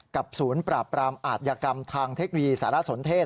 ศูนย์ปราบปรามอาทยากรรมทางเทคโนโลยีสารสนเทศ